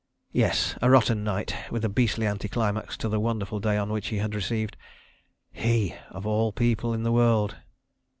...... Yes—a rotten night with a beastly anti climax to the wonderful day on which he had received ... he, of all people in the world!